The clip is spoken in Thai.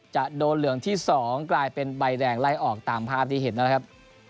จะโดนเหลืองที่๒กลายเป็นใบแดงไล่ออกตามภาพที่เห็นนะครับ